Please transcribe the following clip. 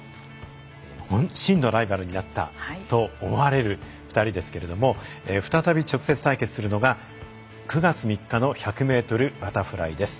真のライバルになったと思われる２人ですけれども再び直接対決するのが９月３日の１００ｍバタフライです。